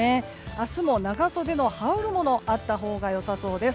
明日も、長袖の羽織るものあったほうが良さそうです。